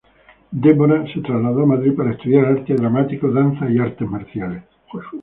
Deborah se trasladó a Madrid para estudiar arte dramático, danza y artes marciales.